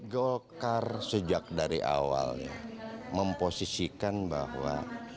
golkar sejak dari awalnya memposisikan bahwa